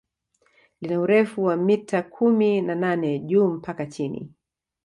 Lina urefu wa mita kumi na nane juu mpaka chini